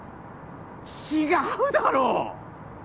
違うだろ！